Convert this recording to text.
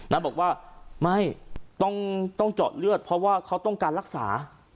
บอกว่าไม่ต้องเจาะเลือดเพราะว่าเขาต้องการรักษา